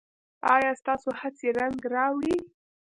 ایا ستاسو هڅې رنګ راوړي؟